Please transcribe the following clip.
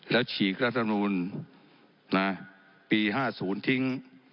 แล้วฉีกรัฐมนูลปี๕๐ทิ้ง